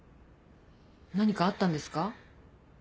何かあったんですか？